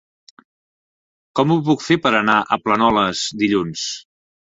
Com ho puc fer per anar a Planoles dilluns?